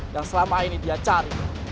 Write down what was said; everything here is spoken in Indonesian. yang selama ini dia cari